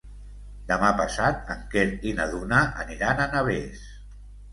Demà passat en Quer i na Duna aniran a Navès.